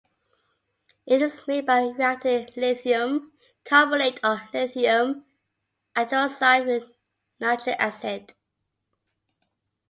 It is made by reacting lithium carbonate or lithium hydroxide with nitric acid.